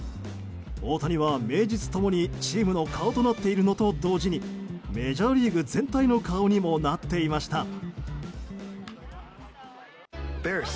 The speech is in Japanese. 大谷は名実共にチームの顔となっているのと同時にメジャーリーグ全体の顔にもなっていました。